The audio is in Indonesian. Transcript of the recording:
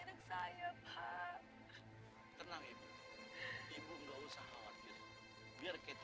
ketika kita berdua kita tidak bisa menemukan keti